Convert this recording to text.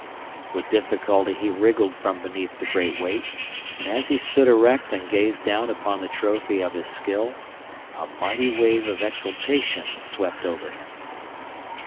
With difficulty he wriggled from beneath the great weight, and as he stood erect and gazed down upon the trophy of his skill, a mighty wave of exultation swept over him.